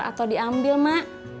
atau diambil ma